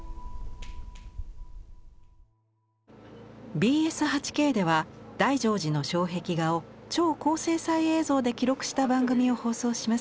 ＢＳ８Ｋでは大乗寺の障壁画を超高精細映像で記録した番組を放送します。